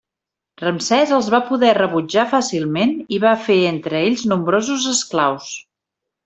Ramsès els va poder rebutjar fàcilment i va fer entre ells nombrosos esclaus.